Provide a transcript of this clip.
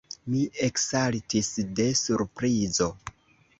Mi eksaltis de surprizo.